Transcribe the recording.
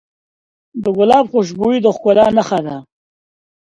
د ګلاب خوشبويي د ښکلا نښه ده.